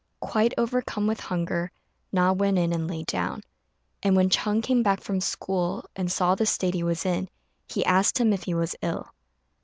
Quite overcome with hunger, Na went in and lay down; and when Ch'êng came back from school, and saw the state he was in, he asked him if he was ill.